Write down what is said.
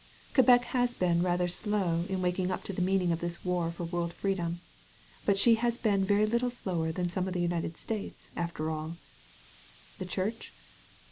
Quebec has been rather slow in waking up to the meaning of this war for world freedom. But she has been very little slower than some of the United States, after all. The Church?